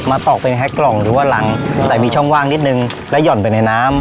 ตอกเป็นแฮ็กกล่องหรือว่ารังแต่มีช่องว่างนิดนึงแล้วหย่อนไปในน้ำ